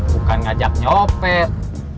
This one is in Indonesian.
bukan ngajak nyopet